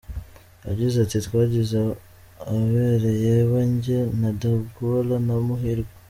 Yagize ati “Twagizwe abere yaba njye, De Gaulle na Muhirwa.